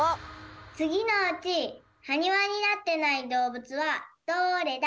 つぎのうちはにわになってないどうぶつはどれだ？